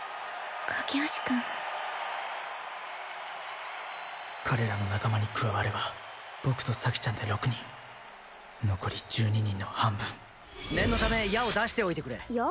架橋君彼らの仲間に加われば僕と咲ちゃんで６人残り１２人の半分念のため矢を出しておいてくれ矢？